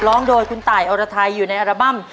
ร้องโดยคุณตายอรไทยอยู่ในอัลบั้ม